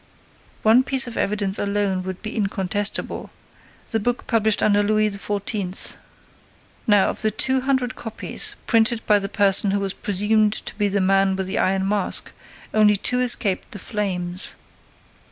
One piece of evidence alone would be incontestible: the book published under Louis XIV. Now of those hundred copies printed by the person who was presumed to be the Man with the Iron Mask only two escaped the flames.